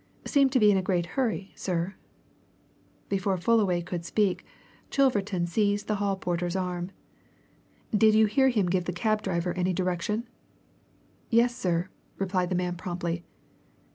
"Seemed to be in a great hurry, sir!" Before Fullaway could speak, Chilverton seized the hall porter's arm. "Did you hear him give the cab driver any direction?" "Yes, sir," replied the man promptly.